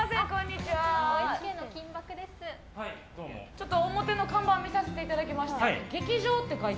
ちょっと表の看板を見させていただきまして。